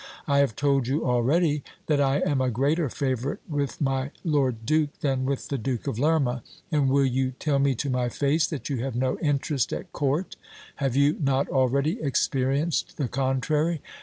I have told you already that I am a greater favourite with my lord duke than with the Duke of Lerma ; and will you tell me to my face that you have no interest at court ? Have you not already experienced the contrary